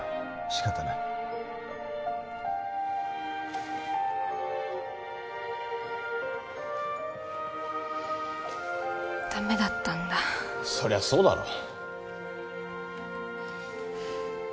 仕方ないダメだったんだそりゃそうだろ